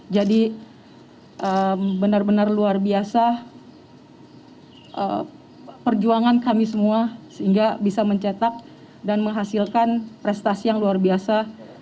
jadi benar benar luar biasa perjuangan kami semua sehingga bisa mencetak dan menghasilkan prestasi yang luar biasa